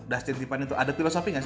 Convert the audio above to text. dustin tiffany tuh ada filosofi gak sih